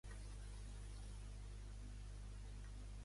Segons Dündar, Espanya és un model de conducta per a Turquia?